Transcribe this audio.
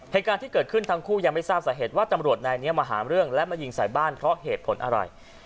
เหตุการณ์ที่เกิดขึ้นทั้งคู่ยังไม่ทราบสาเหตุว่าตำรวจนายนี้มาหาเรื่องและมายิงใส่บ้านเพราะเหตุผลอะไร